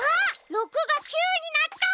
６が９になった！